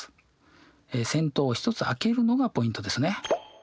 先頭を一つあけるのがポイントですね。